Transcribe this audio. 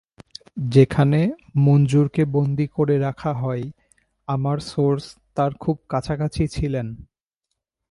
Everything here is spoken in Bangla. যেখানে মঞ্জুরকে বন্দী করে রাখা হয়, আমার সোর্স তাঁর খুব কাছাকাছি ছিলেন।